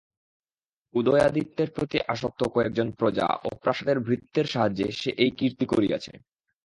উদয়াদিত্যের প্রতি আসক্ত কয়েকজন প্রজা ও প্রাসাদের ভৃত্যের সাহায্যে সে-ই এই কীর্তি করিয়াছে।